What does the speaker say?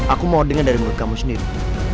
aku mau dengar dari mulut kamu sendiri